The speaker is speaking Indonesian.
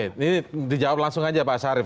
ini dijawab langsung aja pak syarif